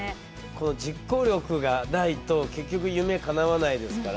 この実行力がないと結局夢叶わないですから。